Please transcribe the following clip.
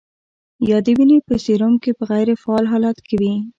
یا د وینې په سیروم کې په غیر فعال حالت کې وي.